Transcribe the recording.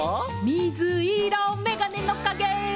「みずいろめがねのかげ」